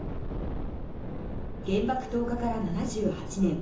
原爆投下から７８年。